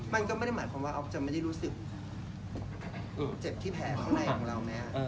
มันก็ไม่ได้หมายความว่าออฟจะไม่ได้รู้สึกเจ็บที่แผลข้างในของเราไหม